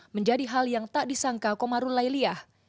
menjadi hal yang tak disangka komarulai leah